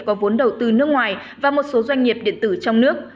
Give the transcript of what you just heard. có vốn đầu tư nước ngoài và một số doanh nghiệp điện tử trong nước